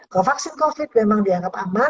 kalau vaksin covid memang dianggap aman